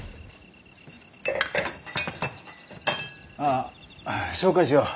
あ紹介しよう。